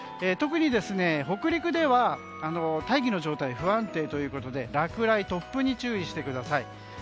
特に北陸では大気の状態が不安定ということで落雷、突風に注意してください。